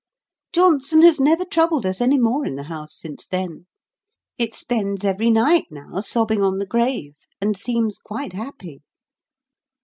Johnson has never troubled us any more in the house since then. It spends every night now, sobbing on the grave, and seems quite happy.